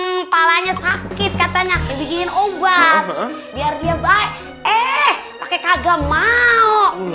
kepalanya sakit katanya bikin obat biar dia baik eh pakai kagam mau